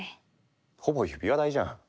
ほぼ指輪代じゃん。